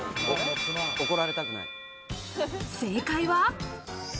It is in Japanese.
正解は。